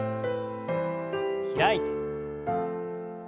開いて。